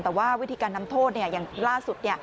แต่ว่าวิธีการนำโทษอย่างล่าสุด